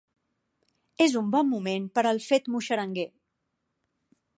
És un bon moment per al fet muixeranguer.